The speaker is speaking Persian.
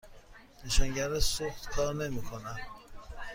نشانگر سوخت کار نمی کند.